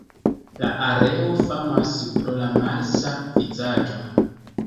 La areo famas pro la Marsa vizaĝo.